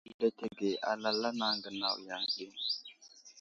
Sali avəletege alal a anaŋ gənaw yaŋ ɗi.